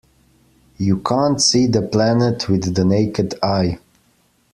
You can't see the planet with the naked eye.